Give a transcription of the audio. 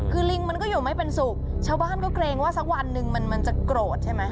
คือลิงมันก็อยู่ไม่เป็นสุขชาวบ้านก็เกรงว่าสักวันหนึ่งมันมันจะโกรธใช่ไหม